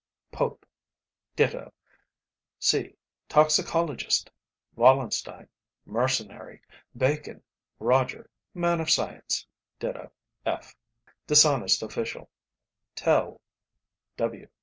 Pope; Ditto, C., toxicologist; Wallenstein, mercenary; Bacon, Roger, man of science; Ditto, F., dishonest official; Tell, W.